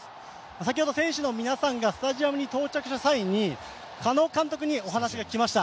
先ほど選手の皆さんがスタジアムに到着した際に狩野監督にお話を聞きました。